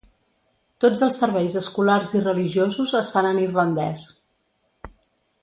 Tots els serveis escolars i religiosos es fan en irlandès.